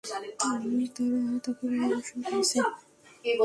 তারা তাকে গণধর্ষণ করেছে।